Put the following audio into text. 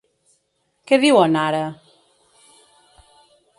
Què diuen, ara?